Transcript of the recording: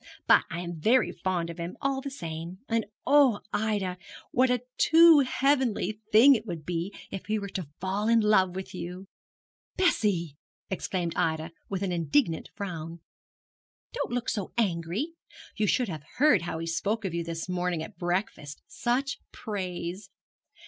But I am very fond of him, all the same; and oh, Ida, what a too heavenly thing it would be if he were to fall in love with you!' 'Bessie!' exclaimed Ida, with an indignant frown. 'Don't look so angry. You should have heard how he spoke of you this morning at breakfast; such praise!